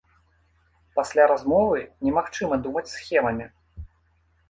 Пасля размовы немагчыма думаць схемамі.